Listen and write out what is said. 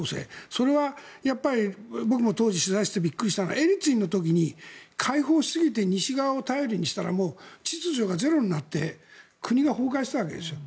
それはやっぱり僕も当時取材してびっくりしたのはエリツィンの時に開放しすぎて西側を頼りにしたらもう秩序がゼロになって国が崩壊したわけですよ。